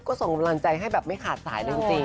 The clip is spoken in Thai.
ก็ส่งเวลาใจให้แบบไม่ขาดสายได้จริง